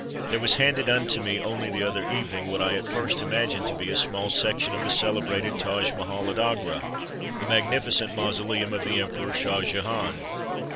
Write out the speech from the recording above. There was handed unto me, only the other evening, what I at first imagined to be a small section of the celebrated Taj Mahal at Agra, the magnificent mausoleum of the Emperor Shah Jehan.